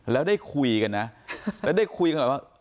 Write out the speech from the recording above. และได้คุยกันนะแล้วได้คุยกันแบบมันว่า